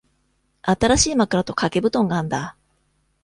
新しい枕と掛け布団があんだ。